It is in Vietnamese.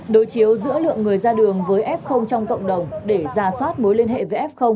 đối chiếu giữa lượng người ra đường với f trong cộng đồng để ra soát mối liên hệ với f